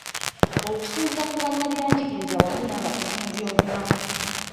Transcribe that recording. Okusinziira ku bannabyangigiriza wamu n’abakugu mu byobulamu.